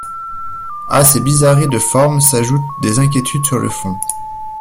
À ces bizarreries de forme s’ajoutent des inquiétudes sur le fond.